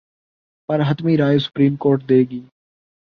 پر حتمی رائے supreme court دے گی۔